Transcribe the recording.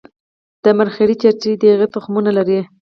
د مرخیړي چترۍ د هغې تخمونه لري